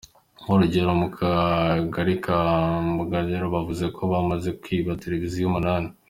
Urugero mu kagari ka Mbugangari bavuze ko hamaze kwibwa televiziyo umunani.